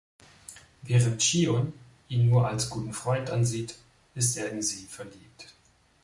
Während Shion ihn nur als guten Freund ansieht, ist er in sie verliebt.